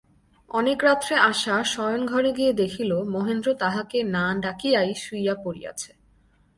অনেক রাত্রে আশা শয়নঘরে গিয়া দেখিল, মহেন্দ্র তাহাকে না ডাকিয়াই শুইয়া পড়িয়াছে।